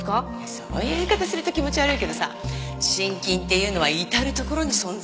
そういう言い方すると気持ち悪いけどさ真菌っていうのは至るところに存在してるの。